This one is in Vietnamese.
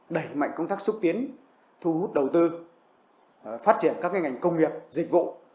đẩy mạnh công tác xúc tiến thu hút đầu tư phát triển các ngành công nghiệp dịch vụ